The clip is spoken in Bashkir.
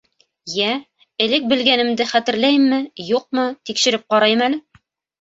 Йә, элек белгәнемде хәтерләйемме, юҡмы — тикшереп ҡарайым әле.